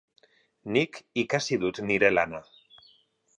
Nik ikasi dut nire lana.